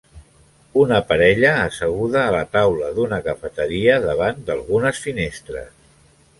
Una parella asseguda a la taula d'una cafeteria davant d'algunes finestres